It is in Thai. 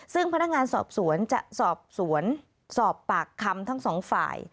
ซึ่งพนักงานสอบสวนจะสอบสวนสอบปากคำทั้งสองฝ่าย